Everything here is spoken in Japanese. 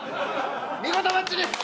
見事マッチです！